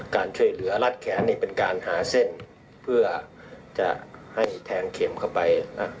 การช่วยเหลือรัดแขนนี่เป็นการหาเส้นเพื่อจะให้แทงเข็มเข้าไปนะ